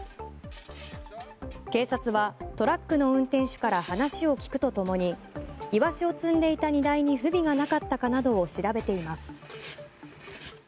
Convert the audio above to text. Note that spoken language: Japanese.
警察はトラックの運転手から話を聞くとともにイワシを積んでいた荷台に不備がなかったかなどを調べています。